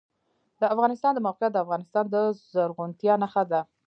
د افغانستان د موقعیت د افغانستان د زرغونتیا نښه ده.